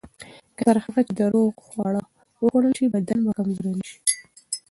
تر هغه چې روغ خواړه وخوړل شي، بدن به کمزوری نه شي.